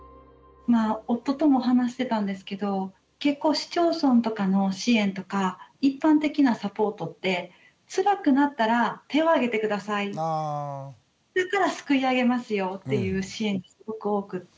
夫とも話してたんですけど結構市町村とかの支援とか一般的なサポートってつらくなったら手をあげて下さいそしたらすくい上げますよっていう支援がすごく多くて。